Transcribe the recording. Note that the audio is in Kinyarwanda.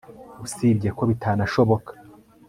usibye ko bitanashoboka